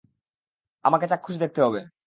আমাকে চাক্ষুষ দেখতে হবে।